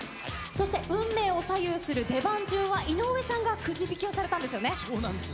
そして運命を左右する出番順は、井上さんがくじ引きをされたんでそうなんです。